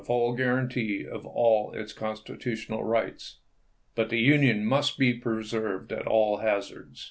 a full guarantee of all its constitutional rights. .. But the Union must be preserved at all hazards.